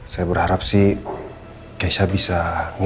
biar abang jadi lagi